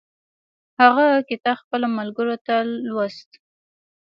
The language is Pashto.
هغه کتاب خپلو ملګرو ته لوست.